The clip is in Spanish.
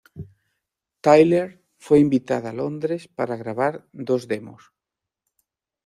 Tyler fue invitada a Londres para grabar dos demos.